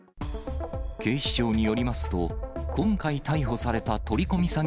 警視庁によりますと、今回、逮捕された取り込み